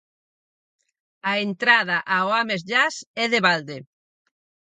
A entrada ao Ames Jazz é de balde.